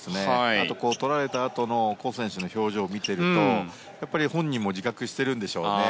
あと、とられたあとのコウ選手の表情を見ていると本人も自覚しているんでしょうね。